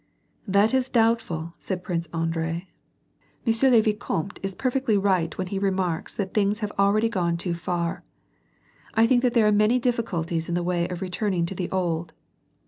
" That is doubtful," said Prince Andrei. " Mmisieur le vicamte is perfectly right when he remarks that things have already gone too far. I think that there are many difficulties in the way of returning to the old."